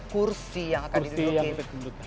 kursi yang akan didudukin